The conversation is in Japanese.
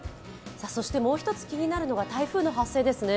そして、もう１つ気になるのが台風の発生ですね。